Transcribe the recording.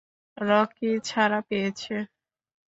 Rocky ছাড়া পেয়েছে।